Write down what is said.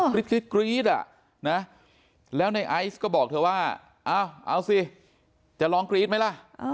กรี๊ดอ่ะนะแล้วในไอซ์ก็บอกเธอว่าเอาสิจะร้องกรี๊ดไหมล่ะ